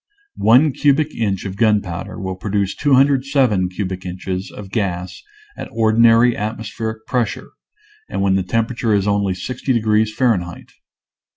One cubic inch of gunpowder will produce 207 cubic inches of gas at or dinary atmospheric pressure and when the temperature is only 60 degrees Fahrenheit.